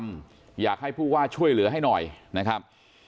อยากให้ผู้ว่าช่วยเหลือให้หน่อยนะครับ